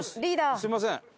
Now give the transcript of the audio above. すみません。